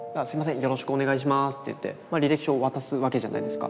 よろしくお願いします」って言って履歴書を渡すわけじゃないですか。